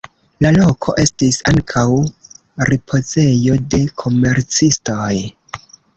La loko estis ankaŭ ripozejo de komercistoj.